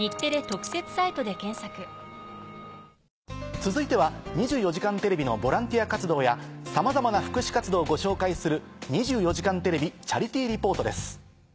続いては『２４時間テレビ』のボランティア活動やさまざまな福祉活動をご紹介する。